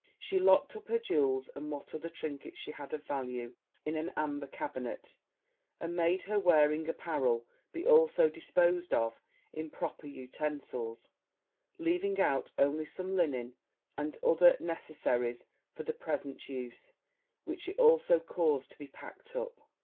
She locked up her jewels, and what other trinkets she had of value, in an amber cabinet, and made her wearing apparel be also disposed of in proper utensils, leaving out only some linen, and other necessaries, for the present use, which she also caused to be packed up.